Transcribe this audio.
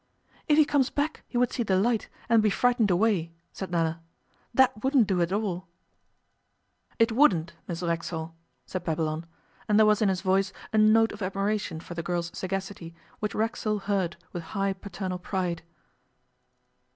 'If he comes back he would see the light, and be frightened away,' said Nella. 'That wouldn't do at all.' 'It wouldn't, Miss Racksole,' said Babylon, and there was in his voice a note of admiration for the girl's sagacity which Racksole heard with high paternal pride.